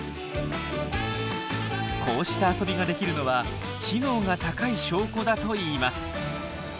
こうした遊びができるのは知能が高い証拠だといいます。